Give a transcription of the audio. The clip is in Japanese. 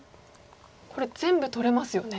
これ全部取れますよね。